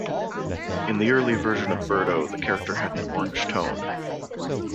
In the early version of Birdo, the character had an orange tone.